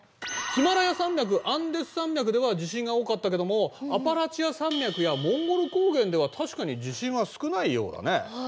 ヒマラヤ山脈アンデス山脈では地震が多かったけどもアパラチア山脈やモンゴル高原では確かに地震は少ないようだね。